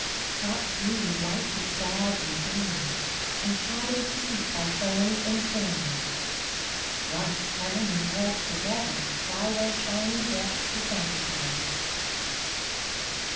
Shot through with lights of stars and dawns, And shadowed sweet by ferns and fawns, Thus heaven and earth together vie Their shining depths to sanctify.